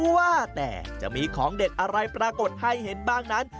ว่าแต่จะมีของเด็ดอะไรปรากฏให้เห็นบ้างนั้น